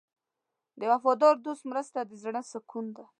د وفادار دوست مرسته د زړه سکون ده.